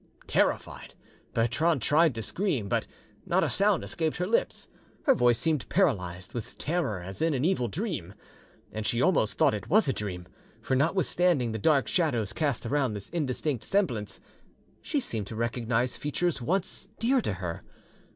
Terrified, Bertrande tried to scream, but not a sound escaped her lips; her voice seemed paralyzed by terror, as in an evil dream. And she almost thought it was a dream, for notwithstanding the dark shadows cast around this indistinct semblance, she seemed to recognise features once dear to her.